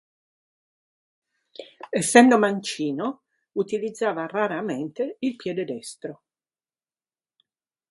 Essendo mancino, utilizzava raramente il piede destro.